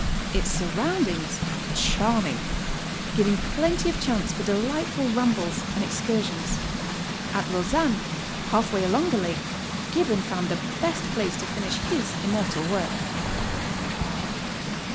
Its surroundings are charming, giving plenty of chance for delightful rambles and excursions. At Lausanne, half way along the lake, Gibbon found the best place to finisih his immortal work.